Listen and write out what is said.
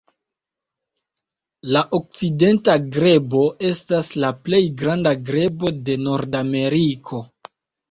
La Okcidenta grebo estas la plej granda grebo de Nordameriko.